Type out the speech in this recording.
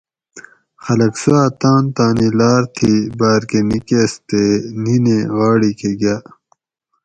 خلق سواۤ تان تانی لاۤر تھی باۤر کہ نِکۤس تے نینیں غاڑی ک گاۤ